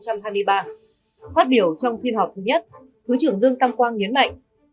phát biểu trong phiên họp thứ nhất thứ trưởng lương tam quang nhấn mạnh